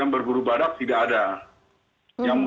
ternyata guru guru mikayem tadi